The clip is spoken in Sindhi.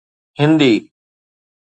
هندي